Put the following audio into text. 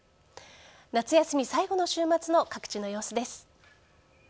夏休み最後の週末の各地の様子です。